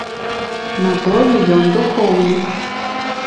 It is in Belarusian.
На тое ён духоўнік.